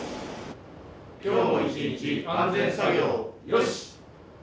今日も一日安全作業よし！